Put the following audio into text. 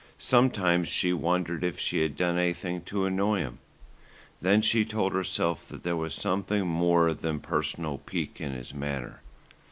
Sometimes she wondered if she had done anything to annoy him. Then she told herself that there was something more than personal pique in his manner.